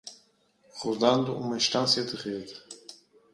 Rodando uma instância de rede